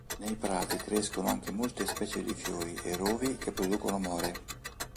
Nei prati crescono anche molte specie di fiori e rovi che producono more.